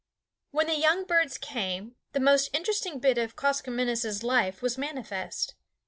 When the young birds came, the most interesting bit of Koskomenos' life was manifest.